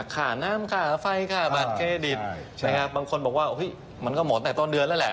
ค่าน้ำค่าไฟค่าบัตรเครดิตนะครับบางคนบอกว่ามันก็หมดแต่ต้นเดือนแล้วแหละ